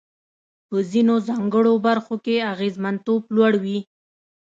په ځینو ځانګړو برخو کې اغېزمنتوب لوړ وي.